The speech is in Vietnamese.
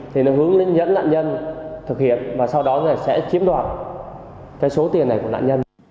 thì nó hướng lên dẫn lãnh nhân thực hiện và sau đó sẽ chiếm đoạt số tiền này của lãnh nhân